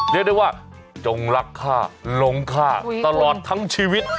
เรียกได้ว่าจงรักค่าลงค่าตลอดทั้งชีวิต